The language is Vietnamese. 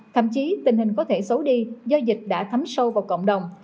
thậm chí tình hình có thể xấu đi do dịch đã thấm sâu vào cộng đồng